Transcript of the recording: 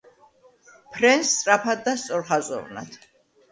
ფრენს სწრაფად და სწორხაზოვნად.